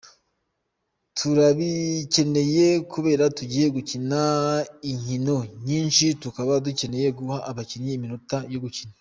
"Turabikeneye kuberako tugiye gukina inkino nyinshi, tukaba dukeneye guha abakinyi iminota yo gukina.